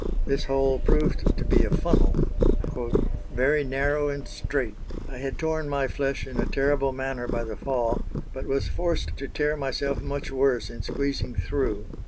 This hole proved to be a funnel, "very narrow and straight; I had torn my flesh in a terrible manner by the fall, but was forced to tear myself much worse in squeezing through."